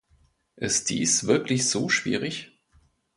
Ist dies wirklich so schwierig?